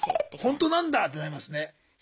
ほんとなんだ！ってなりますね。